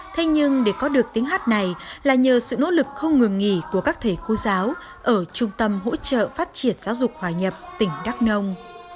thế nhưng để có được tiếng hát này là nhờ sự nỗ lực không ngừng nghỉ của các thầy cô giáo ở trung tâm hỗ trợ phát triển giáo dục hòa nhập tỉnh đắk nông